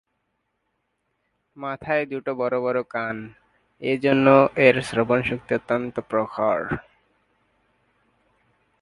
মাথায় দুটো বড়ো বড়ো কান, এজন্য এর শ্রবণ শক্তি অত্যন্ত প্রখর।